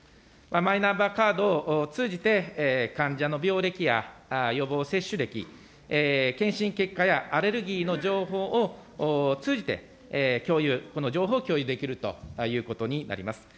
マイナンバーカードを通じて、患者の病歴や予防接種歴、検診結果やアレルギーの情報を通じて共有、この情報を共有できるということになります。